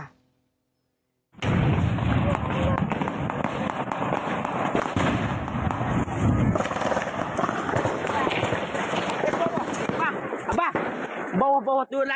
มันยังค่อยค่อยอยู่นะ